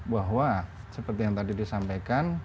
bahwa seperti yang tadi disampaikan